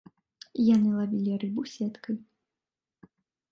Яны лавілі рыбу сеткай.